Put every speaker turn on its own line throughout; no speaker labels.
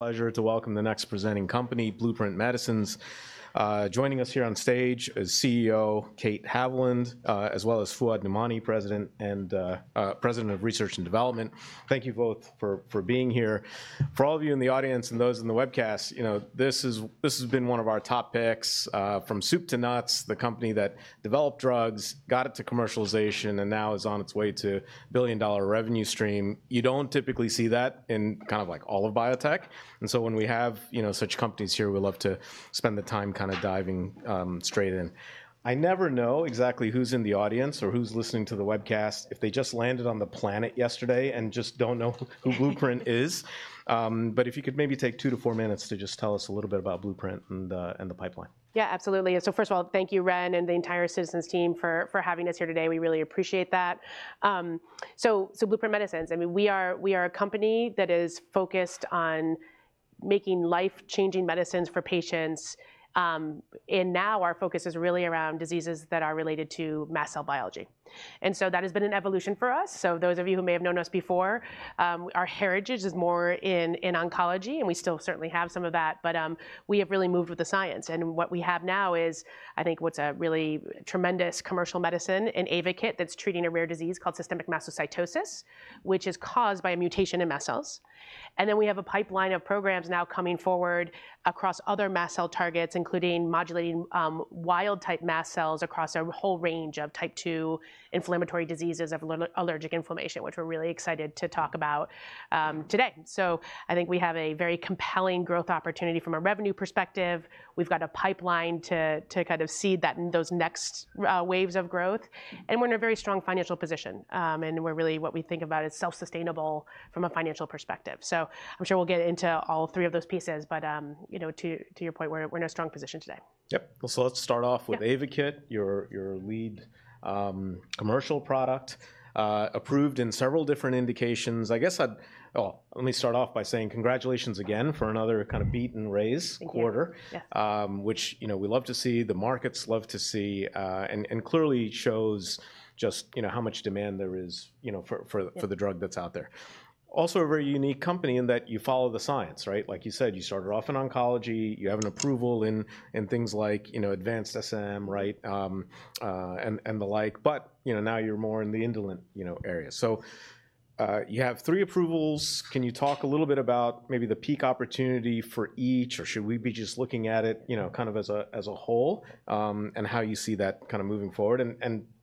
Pleasure to welcome the next presenting company, Blueprint Medicines. Joining us here on stage is CEO Kate Haviland, as well as Fouad Namouni, President and President of Research and Development. Thank you both for being here. For all of you in the audience and those in the webcast, this has been one of our top picks from soup to nuts, the company that developed drugs, got it to commercialization, and now is on its way to a billion-dollar revenue stream. You do not typically see that in kind of like all of biotech. When we have such companies here, we love to spend the time kind of diving straight in. I never know exactly who is in the audience or who is listening to the webcast if they just landed on the planet yesterday and just do not know who Blueprint is. If you could maybe take two to four minutes to just tell us a little bit about Blueprint and the pipeline.
Yeah, absolutely. First of all, thank you, Ren, and the entire Citizens team for having us here today. We really appreciate that. Blueprint Medicines, I mean, we are a company that is focused on making life-changing medicines for patients. Now our focus is really around diseases that are related to mast cell biology. That has been an evolution for us. Those of you who may have known us before, our heritage is more in oncology, and we still certainly have some of that. We have really moved with the science. What we have now is, I think, what's a really tremendous commercial medicine, an AYVAKIT that's treating a rare disease called systemic mastocytosis, which is caused by a mutation in mast cells. We have a pipeline of programs now coming forward across other mast cell targets, including modulating wild-type mast cells across a whole range of type 2 inflammatory diseases of allergic inflammation, which we're really excited to talk about today. I think we have a very compelling growth opportunity from a revenue perspective. We've got a pipeline to kind of seed that in those next waves of growth. We're in a very strong financial position. What we think about is self-sustainable from a financial perspective. I'm sure we'll get into all three of those pieces. To your point, we're in a strong position today.
Yep. Let's start off with AYVAKIT, your lead commercial product, approved in several different indications. I guess I'd, oh, let me start off by saying congratulations again for another kind of beat and raise quarter, which we love to see, the markets love to see, and clearly shows just how much demand there is for the drug that's out there. Also a very unique company in that you follow the science, right? Like you said, you started off in oncology. You have an approval in things like advanced SM, right, and the like. Now you're more in the indolent area. You have three approvals. Can you talk a little bit about maybe the peak opportunity for each, or should we be just looking at it kind of as a whole and how you see that kind of moving forward?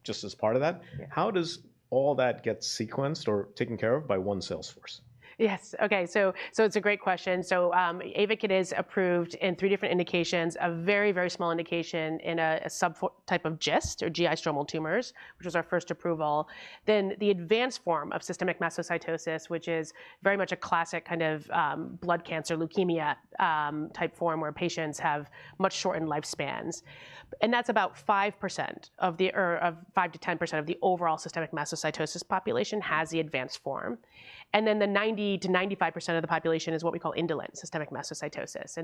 Just as part of that, how does all that get sequenced or taken care of by one Salesforce?
Yes. OK, so it's a great question. So AYVAKIT is approved in three different indications, a very, very small indication in a subtype of GIST or GI stromal tumors, which was our first approval. Then the advanced form of systemic mastocytosis, which is very much a classic kind of blood cancer, leukemia type form where patients have much shortened lifespans. That's about 5% of the, or 5%-10% of the overall systemic mastocytosis population has the advanced form. The 90%-95% of the population is what we call indolent systemic mastocytosis.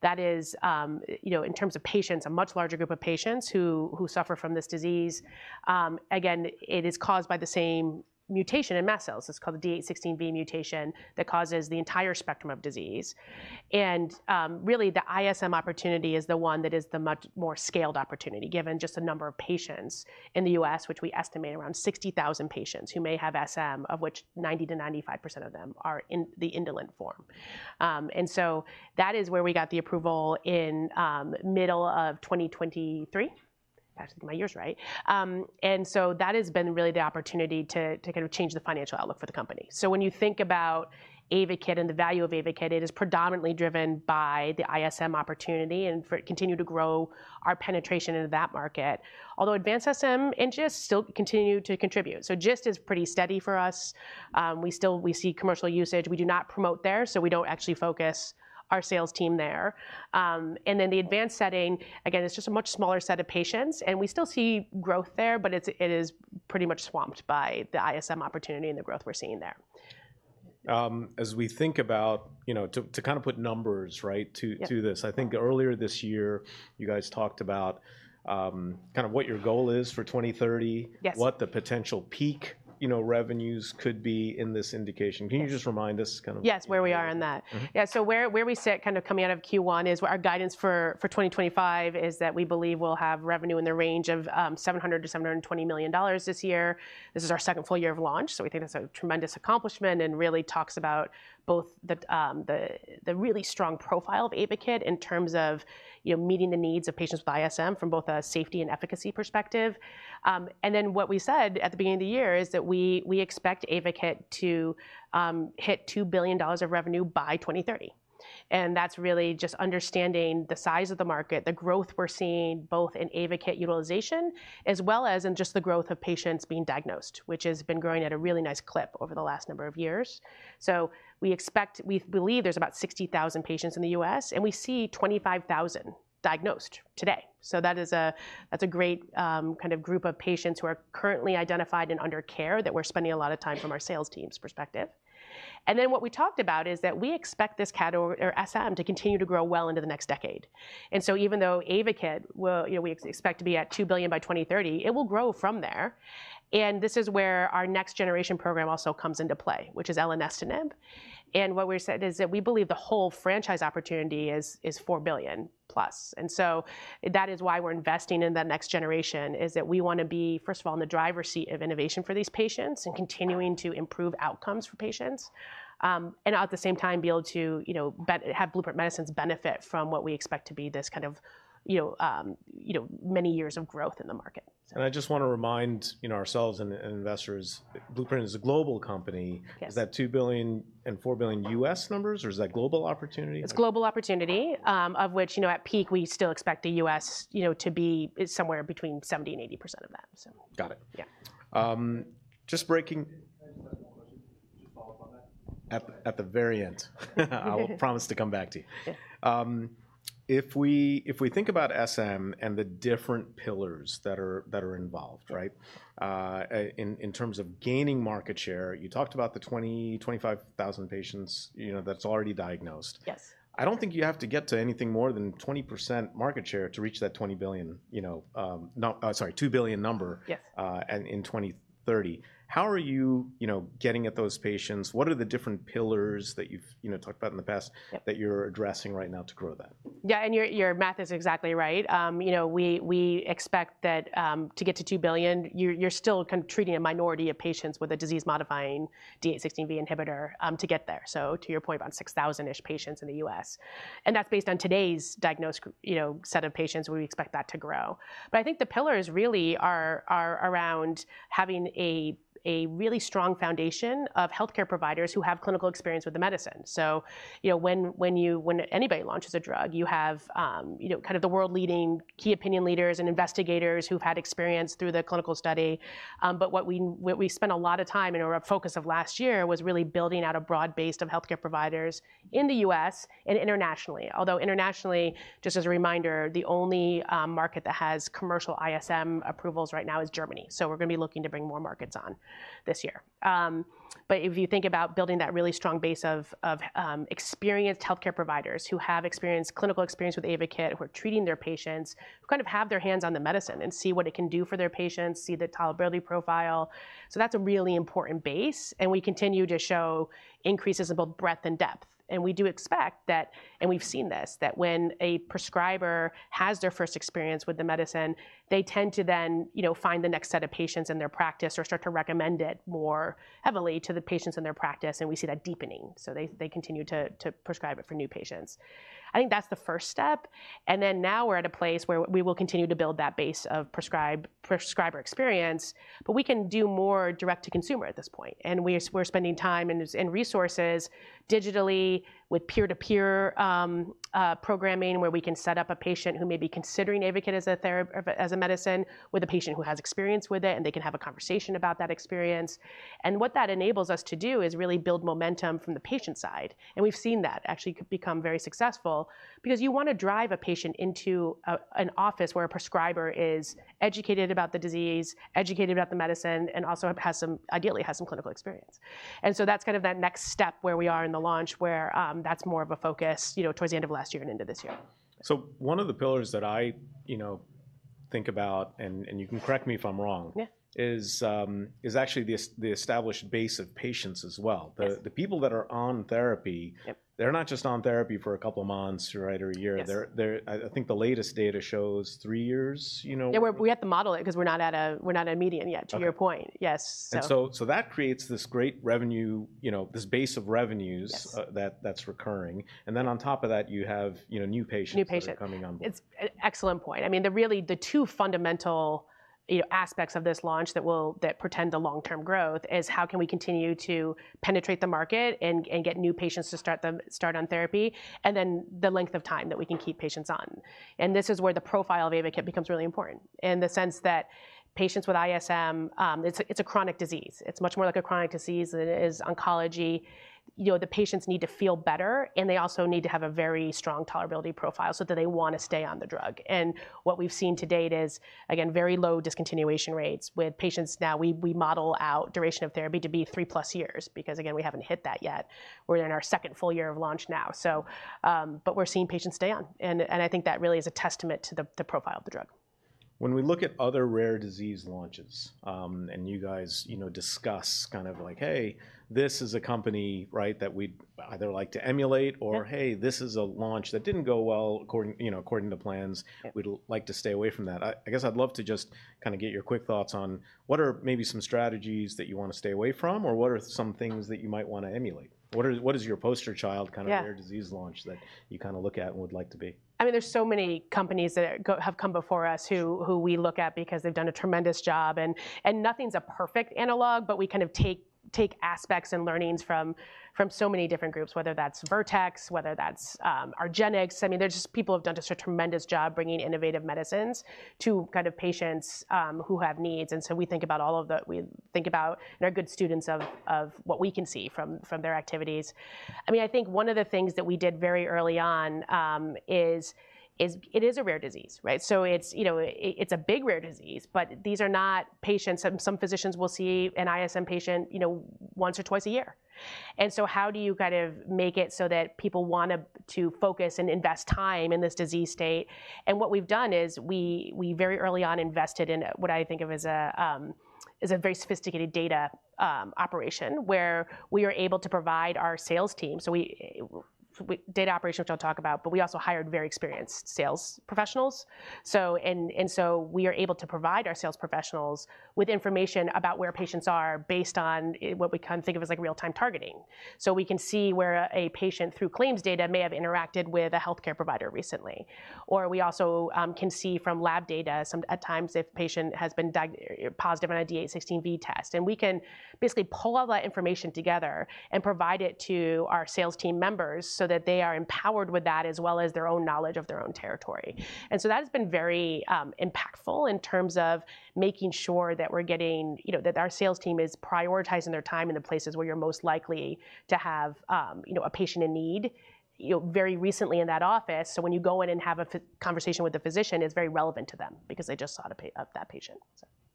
That is, in terms of patients, a much larger group of patients who suffer from this disease. Again, it is caused by the same mutation in mast cells. It's called the D816V mutation that causes the entire spectrum of disease. Really, the ISM opportunity is the one that is the much more scaled opportunity, given just the number of patients in the U.S., which we estimate around 60,000 patients who may have SM, of which 90%-95% of them are in the indolent form. That is where we got the approval in the middle of 2023. I have to think of my years right. That has been really the opportunity to kind of change the financial outlook for the company. When you think about AYVAKIT and the value of AYVAKIT, it is predominantly driven by the ISM opportunity and for it to continue to grow our penetration into that market. Although advanced SM and GIST still continue to contribute. GIST is pretty steady for us. We see commercial usage. We do not promote there, so we do not actually focus our sales team there. In the advanced setting, again, it is just a much smaller set of patients. We still see growth there, but it is pretty much swamped by the ISM opportunity and the growth we are seeing there.
As we think about, to kind of put numbers right to this, I think earlier this year, you guys talked about kind of what your goal is for 2030, what the potential peak revenues could be in this indication. Can you just remind us kind of?
Yes, where we are in that. Yeah, so where we sit kind of coming out of Q1 is our guidance for 2025 is that we believe we'll have revenue in the range of $700 million-$720 million this year. This is our second full year of launch. We think that's a tremendous accomplishment and really talks about both the really strong profile of AYVAKIT in terms of meeting the needs of patients with ISM from both a safety and efficacy perspective. What we said at the beginning of the year is that we expect AYVAKIT to hit $2 billion of revenue by 2030. That is really just understanding the size of the market, the growth we are seeing both in AYVAKIT utilization, as well as in just the growth of patients being diagnosed, which has been growing at a really nice clip over the last number of years. We believe there are about 60,000 patients in the US, and we see 25,000 diagnosed today. That is a great kind of group of patients who are currently identified and under care that we are spending a lot of time from our sales team's perspective. What we talked about is that we expect this category or SM to continue to grow well into the next decade. Even though AYVAKIT, we expect to be at $2 billion by 2030, it will grow from there. This is where our next generation program also comes into play, which is elenestinib. What we said is that we believe the whole franchise opportunity is $4 billion plus. That is why we're investing in the next generation, is that we want to be, first of all, in the driver's seat of innovation for these patients and continuing to improve outcomes for patients. At the same time, be able to have Blueprint Medicines benefit from what we expect to be this kind of many years of growth in the market.
I just want to remind ourselves and investors, Blueprint is a global company. Is that $2 billion and $4 billion U.S. numbers, or is that global opportunity?
It's global opportunity, of which at peak, we still expect the U.S. to be somewhere between 70% and 80% of that.
Got it. Just breaking.
Can I just ask one question? Just follow up on that.
At the very end. I will promise to come back to you. If we think about SM and the different pillars that are involved, right, in terms of gaining market share, you talked about the 20,000-25,000 patients that's already diagnosed. I don't think you have to get to anything more than 20% market share to reach that $2 billion number in 2030. How are you getting at those patients? What are the different pillars that you've talked about in the past that you're addressing right now to grow that?
Yeah, and your math is exactly right. We expect that to get to $2 billion, you're still kind of treating a minority of patients with a disease-modifying D816V inhibitor to get there. To your point, about 6,000-ish patients in the US. That's based on today's diagnosed set of patients, where we expect that to grow. I think the pillars really are around having a really strong foundation of health care providers who have clinical experience with the medicine. When anybody launches a drug, you have kind of the world-leading key opinion leaders and investigators who've had experience through the clinical study. What we spent a lot of time and were a focus of last year was really building out a broad base of health care providers in the U.S. and internationally. Although internationally, just as a reminder, the only market that has commercial ISM approvals right now is Germany. We are going to be looking to bring more markets on this year. If you think about building that really strong base of experienced health care providers who have clinical experience with AYVAKIT, who are treating their patients, who kind of have their hands on the medicine and see what it can do for their patients, see the tolerability profile, that is a really important base. We continue to show increases in both breadth and depth. We do expect that, and we have seen this, that when a prescriber has their first experience with the medicine, they tend to then find the next set of patients in their practice or start to recommend it more heavily to the patients in their practice. We see that deepening. They continue to prescribe it for new patients. I think that's the first step. Now we're at a place where we will continue to build that base of prescriber experience. We can do more direct-to-consumer at this point. We're spending time and resources digitally with peer-to-peer programming, where we can set up a patient who may be considering AYVAKIT as a medicine with a patient who has experience with it, and they can have a conversation about that experience. What that enables us to do is really build momentum from the patient side. We've seen that actually become very successful because you want to drive a patient into an office where a prescriber is educated about the disease, educated about the medicine, and also ideally has some clinical experience. That is kind of that next step where we are in the launch, where that is more of a focus towards the end of last year and into this year.
One of the pillars that I think about, and you can correct me if I'm wrong, is actually the established base of patients as well. The people that are on therapy, they're not just on therapy for a couple of months or a year. I think the latest data shows three years.
Yeah, we have to model it because we're not at a median yet, to your point. Yes.
That creates this great revenue, this base of revenues that's recurring. Then on top of that, you have new patients that are coming on board.
Excellent point. I mean, really, the two fundamental aspects of this launch that will portend the long-term growth is how can we continue to penetrate the market and get new patients to start on therapy, and then the length of time that we can keep patients on. This is where the profile of AYVAKIT becomes really important in the sense that patients with ISM, it is a chronic disease. It is much more like a chronic disease than it is oncology. The patients need to feel better, and they also need to have a very strong tolerability profile so that they want to stay on the drug. What we have seen to date is, again, very low discontinuation rates with patients now. We model out duration of therapy to be three-plus years because, again, we have not hit that yet. We are in our second full year of launch now. We're seeing patients stay on. I think that really is a testament to the profile of the drug.
When we look at other rare disease launches, and you guys discuss kind of like, hey, this is a company that we'd either like to emulate, or hey, this is a launch that didn't go well according to the plans. We'd like to stay away from that. I guess I'd love to just kind of get your quick thoughts on what are maybe some strategies that you want to stay away from, or what are some things that you might want to emulate? What is your poster child kind of rare disease launch that you kind of look at and would like to be?
I mean, there's so many companies that have come before us who we look at because they've done a tremendous job. Nothing's a perfect analog, but we kind of take aspects and learnings from so many different groups, whether that's Vertex, whether that's Argenx. I mean, there's just people who have done just a tremendous job bringing innovative medicines to kind of patients who have needs. We think about all of the, we think about and are good students of what we can see from their activities. I mean, I think one of the things that we did very early on is it is a rare disease, right? It's a big rare disease, but these are not patients. Some physicians will see an ISM patient once or twice a year. How do you kind of make it so that people want to focus and invest time in this disease state? What we've done is we, very early on, invested in what I think of as a very sophisticated data operation, where we are able to provide our sales team, so data operation, which I'll talk about, but we also hired very experienced sales professionals. We are able to provide our sales professionals with information about where patients are based on what we kind of think of as real-time targeting. We can see where a patient, through claims data, may have interacted with a health care provider recently. We also can see from lab data at times if a patient has been positive on a D816V test. We can basically pull all that information together and provide it to our sales team members so that they are empowered with that, as well as their own knowledge of their own territory. That has been very impactful in terms of making sure that our sales team is prioritizing their time in the places where you are most likely to have a patient in need very recently in that office. When you go in and have a conversation with a physician, it is very relevant to them because they just saw that patient.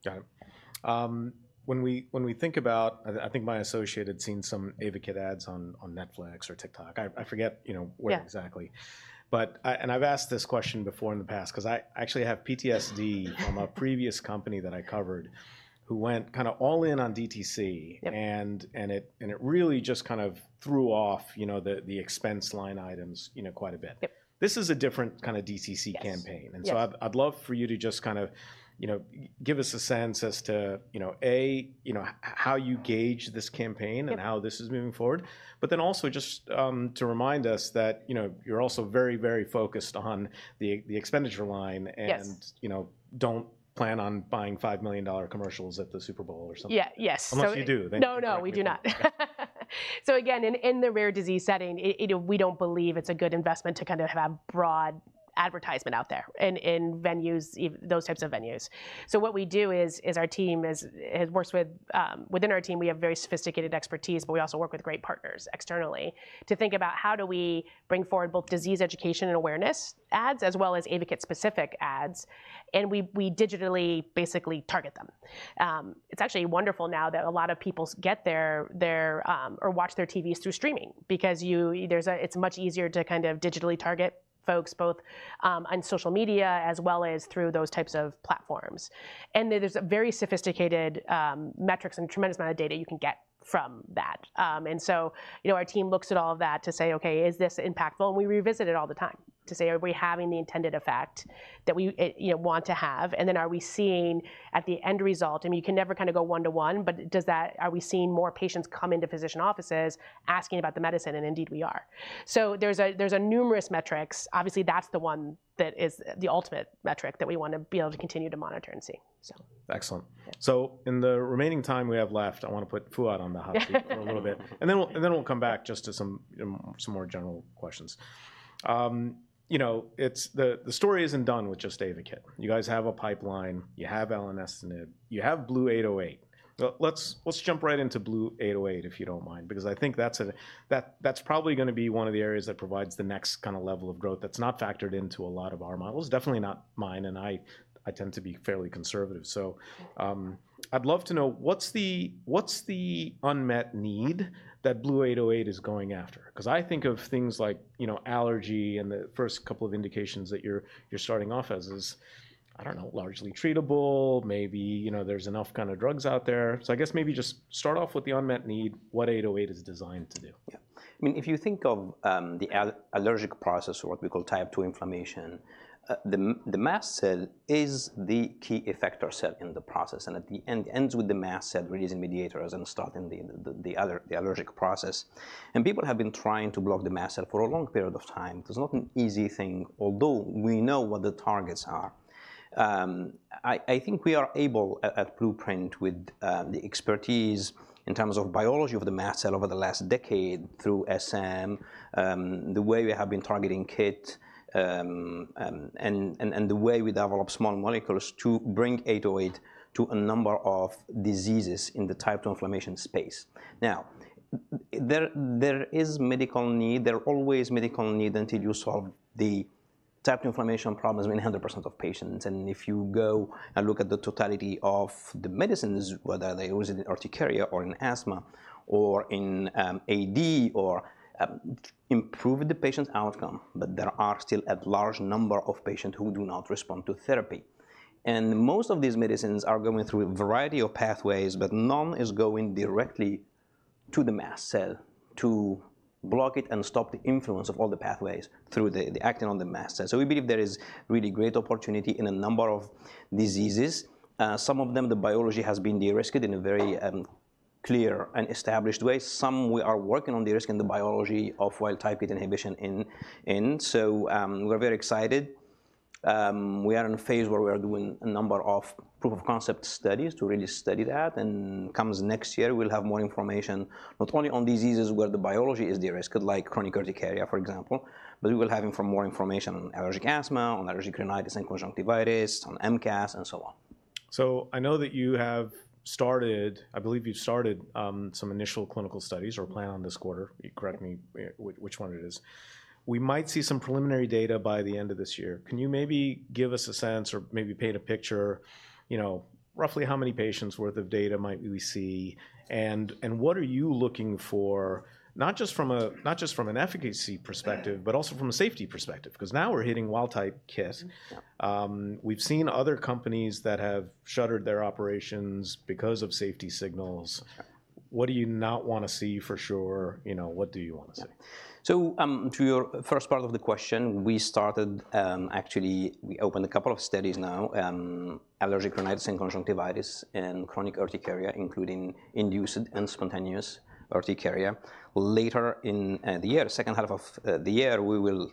Got it. When we think about, I think my associate had seen some AYVAKIT ads on Netflix or TikTok. I forget where exactly. I've asked this question before in the past because I actually have PTSD from a previous company that I covered who went kind of all in on DTC. It really just kind of threw off the expense line items quite a bit. This is a different kind of DTC campaign. I'd love for you to just kind of give us a sense as to, A, how you gauge this campaign and how this is moving forward, but then also just to remind us that you're also very, very focused on the expenditure line and don't plan on buying $5 million commercials at the Super Bowl or something.
Yeah, yes.
Unless you do.
No, no, we do not. Again, in the rare disease setting, we do not believe it is a good investment to kind of have broad advertisement out there in venues, those types of venues. What we do is our team has worked with, within our team, we have very sophisticated expertise, but we also work with great partners externally to think about how do we bring forward both disease education and awareness ads, as well as AYVAKIT-specific ads. We digitally basically target them. It is actually wonderful now that a lot of people get their or watch their TVs through streaming because it is much easier to kind of digitally target folks both on social media as well as through those types of platforms. There are very sophisticated metrics and a tremendous amount of data you can get from that. Our team looks at all of that to say, OK, is this impactful? We revisit it all the time to say, are we having the intended effect that we want to have? Are we seeing at the end result, I mean, you can never kind of go one-to-one, but are we seeing more patients come into physician offices asking about the medicine? Indeed, we are. There are numerous metrics. Obviously, that is the one that is the ultimate metric that we want to be able to continue to monitor and see.
Excellent. In the remaining time we have left, I want to put Fouad on the hot seat for a little bit. Then we'll come back just to some more general questions. The story isn't done with just AYVAKIT. You guys have a pipeline. You have LNS to NIB. You have BLU-808. Let's jump right into BLU-808, if you don't mind, because I think that's probably going to be one of the areas that provides the next kind of level of growth that's not factored into a lot of our models, definitely not mine. I tend to be fairly conservative. I'd love to know what's the unmet need that BLU-808 is going after? Because I think of things like allergy and the first couple of indications that you're starting off as is, I don't know, largely treatable, maybe there's enough kind of drugs out there. I guess maybe just start off with the unmet need, what 808 is designed to do.
Yeah. I mean, if you think of the allergic process, or what we call type 2 inflammation, the mast cell is the key effector cell in the process. It ends with the mast cell releasing mediators and starting the allergic process. People have been trying to block the mast cell for a long period of time. It's not an easy thing, although we know what the targets are. I think we are able at Blueprint with the expertise in terms of biology of the mast cell over the last decade through SM, the way we have been targeting KIT, and the way we develop small molecules to bring 808 to a number of diseases in the type 2 inflammation space. Now, there is medical need. There are always medical needs until you solve the type 2 inflammation problems in 100% of patients. If you go and look at the totality of the medicines, whether they're used in urticaria or in asthma or in AD or improve the patient's outcome, there are still a large number of patients who do not respond to therapy. Most of these medicines are going through a variety of pathways, but none is going directly to the mast cell to block it and stop the influence of all the pathways through the actin on the mast cell. We believe there is really great opportunity in a number of diseases. Some of them, the biology has been de-risked in a very clear and established way. Some, we are working on de-risking the biology of wild-type KIT inhibition in. We are very excited. We are in a phase where we are doing a number of proof-of-concept studies to really study that. It comes next year. We'll have more information not only on diseases where the biology is de-risked, like chronic urticaria, for example, but we will have more information on allergic asthma, on allergic rhinitis and conjunctivitis, on MCAS, and so on.
I know that you have started, I believe you've started some initial clinical studies or plan on this quarter. You correct me which one it is. You might see some preliminary data by the end of this year. Can you maybe give us a sense or maybe paint a picture roughly how many patients' worth of data might we see? What are you looking for, not just from an efficacy perspective, but also from a safety perspective? Because now we're hitting wild-type KIT. We've seen other companies that have shuttered their operations because of safety signals. What do you not want to see for sure? What do you want to see?
To your first part of the question, we started actually, we opened a couple of studies now, allergic rhinitis and conjunctivitis and chronic urticaria, including induced and spontaneous urticaria. Later in the year, second half of the year, we will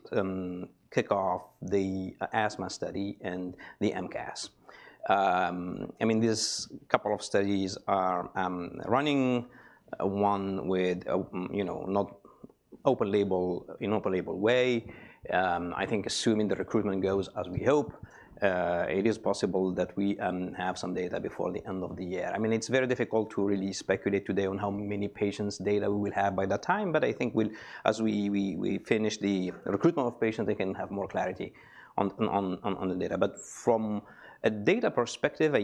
kick off the asthma study and the MCAS. I mean, these couple of studies are running, one with not open label in an open label way. I think assuming the recruitment goes as we hope, it is possible that we have some data before the end of the year. I mean, it's very difficult to really speculate today on how many patients' data we will have by that time. I think as we finish the recruitment of patients, we can have more clarity on the data. From a data perspective,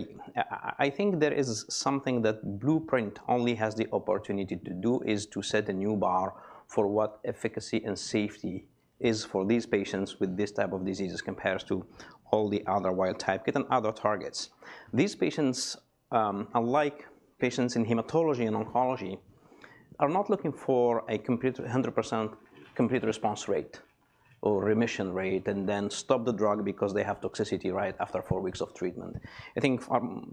I think there is something that Blueprint only has the opportunity to do, is to set a new bar for what efficacy and safety is for these patients with this type of diseases compared to all the other wild-type KIT and other targets. These patients, unlike patients in hematology and oncology, are not looking for a 100% complete response rate or remission rate and then stop the drug because they have toxicity right after four weeks of treatment. I think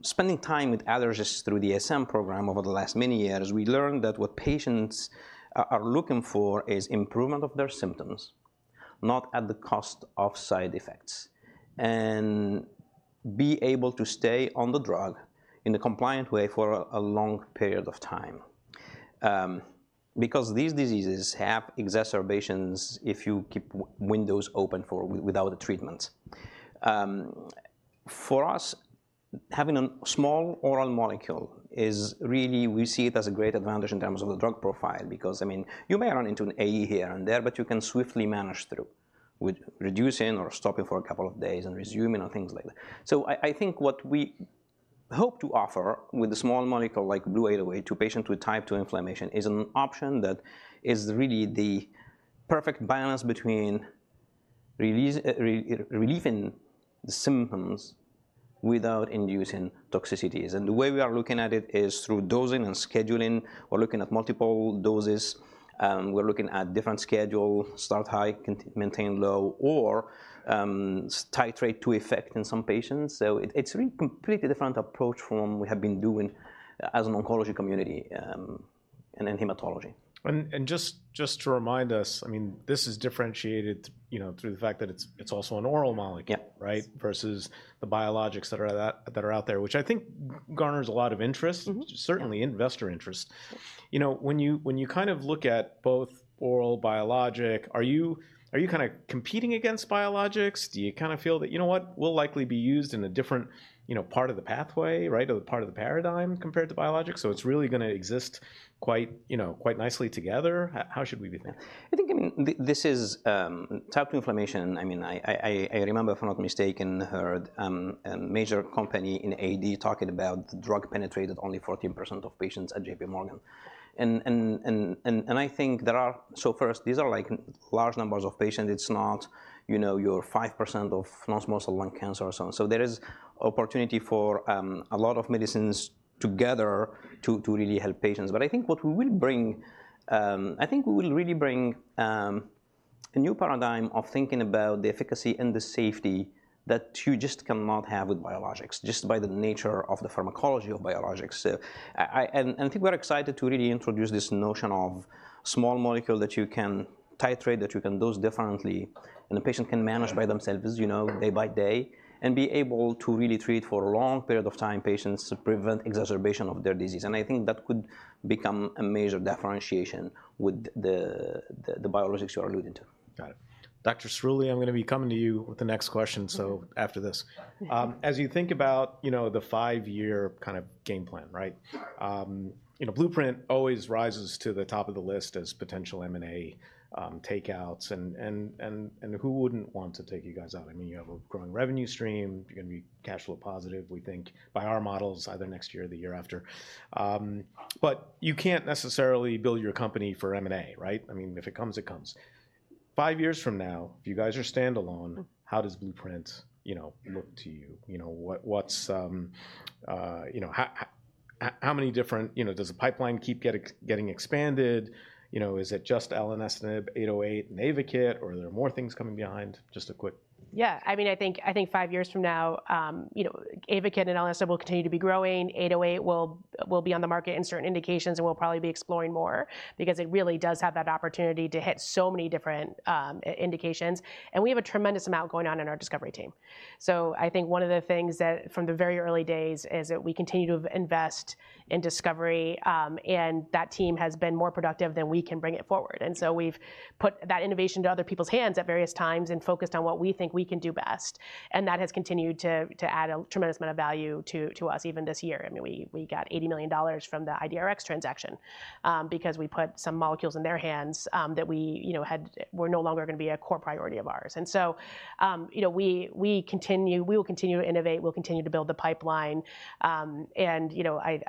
spending time with allergists through the SM program over the last many years, we learned that what patients are looking for is improvement of their symptoms, not at the cost of side effects, and be able to stay on the drug in a compliant way for a long period of time. Because these diseases have exacerbations if you keep windows open without the treatment. For us, having a small oral molecule is really, we see it as a great advantage in terms of the drug profile because, I mean, you may run into an AE here and there, but you can swiftly manage through with reducing or stopping for a couple of days and resuming and things like that. I think what we hope to offer with a small molecule like BLU-808 to patients with type 2 inflammation is an option that is really the perfect balance between relieving symptoms without inducing toxicities. The way we are looking at it is through dosing and scheduling. We're looking at multiple doses. We're looking at different schedules, start high, maintain low, or titrate to effect in some patients. It is a completely different approach from what we have been doing as an oncology community and in hematology.
Just to remind us, I mean, this is differentiated through the fact that it's also an oral molecule, right, versus the biologics that are out there, which I think garners a lot of interest, certainly investor interest. When you kind of look at both oral and biologic, are you kind of competing against biologics? Do you kind of feel that, you know what, we'll likely be used in a different part of the pathway, right, or part of the paradigm compared to biologics? It is really going to exist quite nicely together. How should we be thinking?
I think, I mean, this is type 2 inflammation. I mean, I remember, if I'm not mistaken, I heard a major company in AD talking about the drug penetrated only 14% of patients at JPMorgan. I think there are, first, these are large numbers of patients. It's not your 5% of non-small cell lung cancer or something. There is opportunity for a lot of medicines together to really help patients. I think what we will bring, I think we will really bring a new paradigm of thinking about the efficacy and the safety that you just cannot have with biologics, just by the nature of the pharmacology of biologics. I think we're excited to really introduce this notion of small molecules that you can titrate, that you can dose differently, and the patient can manage by themselves, you know, day by day, and be able to really treat for a long period of time patients to prevent exacerbation of their disease. I think that could become a major differentiation with the biologics you're alluding to.
Got it. Dr. Cerulli, I'm going to be coming to you with the next question, so after this. As you think about the five-year kind of game plan, right, Blueprint always rises to the top of the list as potential M&A takeouts. Who wouldn't want to take you guys out? I mean, you have a growing revenue stream. You're going to be cash flow positive, we think, by our models, either next year or the year after. You can't necessarily build your company for M&A, right? I mean, if it comes, it comes. Five years from now, if you guys are standalone, how does Blueprint look to you? How many different does the pipeline keep getting expanded? Is it just elenestinib, 808, and AYVAKIT, or are there more things coming behind? Just a quick.
Yeah. I mean, I think five years from now, AYVAKIT and LNS will continue to be growing. 808 will be on the market in certain indications, and we'll probably be exploring more because it really does have that opportunity to hit so many different indications. We have a tremendous amount going on in our discovery team. I think one of the things that from the very early days is that we continue to invest in discovery, and that team has been more productive than we can bring it forward. We have put that innovation to other people's hands at various times and focused on what we think we can do best. That has continued to add a tremendous amount of value to us even this year. I mean, we got $80 million from the IDRX transaction because we put some molecules in their hands that were no longer going to be a core priority of ours. We will continue to innovate. We'll continue to build the pipeline.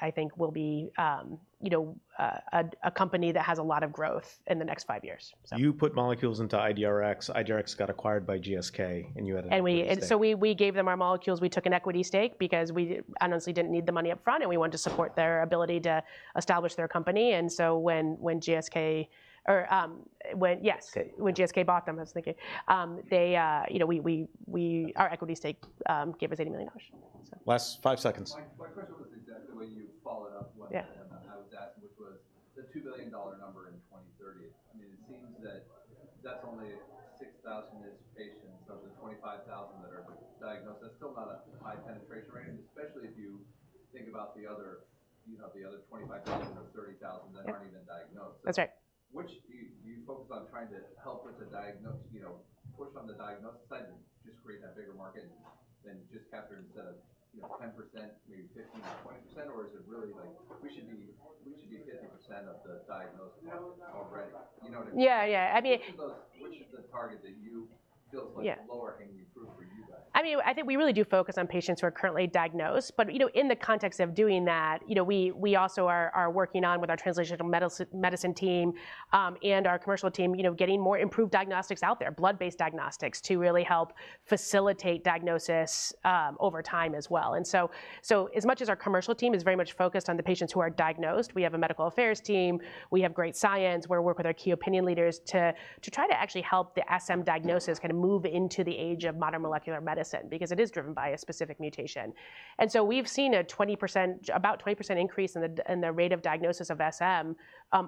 I think we'll be a company that has a lot of growth in the next five years.
You put molecules into IDRX. IDRX got acquired by GSK, and you had an equity stake.
We gave them our molecules. We took an equity stake because we honestly did not need the money upfront, and we wanted to support their ability to establish their company. When GSK, or yes, when GSK bought them, I was thinking, our equity stake gave us $80 million.
Last five seconds.
My question was exactly the way you followed up what I was asking, which was the $2 billion number in 2030. I mean, it seems that that's only 6,000 patients of the 25,000 that are diagnosed. That's still not a high penetration rate, especially if you think about the other 25,000 or 30,000 that aren't even diagnosed.
That's right.
Do you focus on trying to help with the push on the diagnosis side to just create that bigger market and just capture instead of 10%, maybe 15% or 20%? Or is it really like, we should be 50% of the diagnosed patients already? You know what I mean?
Yeah, yeah.
Which is the target that you feel is lower-hanging fruit for you guys?
I mean, I think we really do focus on patients who are currently diagnosed. In the context of doing that, we also are working on, with our translational medicine team and our commercial team, getting more improved diagnostics out there, blood-based diagnostics to really help facilitate diagnosis over time as well. As much as our commercial team is very much focused on the patients who are diagnosed, we have a medical affairs team. We have great science. We work with our key opinion leaders to try to actually help the SM diagnosis kind of move into the age of modern molecular medicine because it is driven by a specific mutation. We have seen about a 20% increase in the rate of diagnosis of SM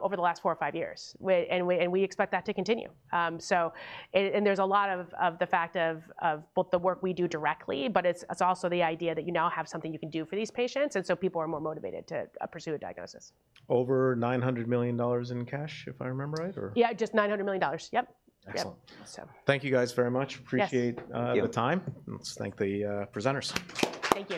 over the last four or five years. We expect that to continue. There is a lot of the fact of both the work we do directly, but it is also the idea that you now have something you can do for these patients. People are more motivated to pursue a diagnosis.
Over $900 million in cash, if I remember right, or?
Yeah, just $900 million. Yep.
Excellent. Thank you guys very much. Appreciate the time. Let's thank the presenters.
Thank you.